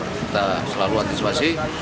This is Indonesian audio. kita selalu antisipasi